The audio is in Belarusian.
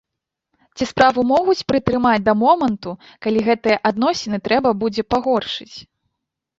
Ці справу могуць прытрымаць да моманту, калі гэтыя адносіны трэба будзе пагоршыць?